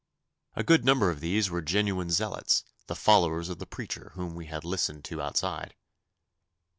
A good number of these were genuine zealots, the followers of the preacher whom we had listened to outside.